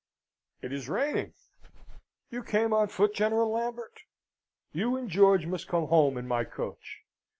"It is raining! You came on foot, General Lambert? You and George must come home in my coach.